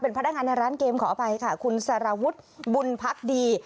พนักงานในร้านเกมขออภัยค่ะคุณสารวุฒิบุญพักดี